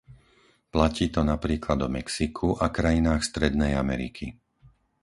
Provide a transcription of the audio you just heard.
Platí to napríklad o Mexiku a krajinách strednej Ameriky.